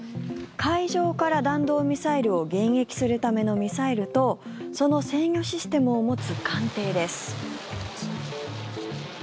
海上から弾道ミサイルを迎撃するためのミサイルとその制御システムを持つ艦艇です。